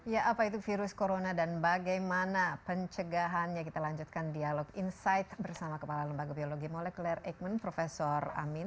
ya apa itu virus corona dan bagaimana pencegahannya kita lanjutkan dialog insight bersama kepala lembaga biologi molekuler eijkman prof amin